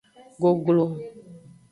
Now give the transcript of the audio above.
Goglo.